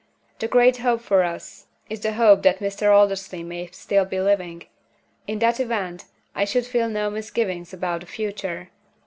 The great hope for us is the hope that Mr. Aldersley may still be living. In that event, I should feel no misgivings about the future.